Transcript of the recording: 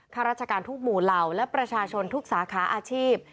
ข้าราชการทุกหมู่เหล่าและประชาชนทุกสาขาอาชีพ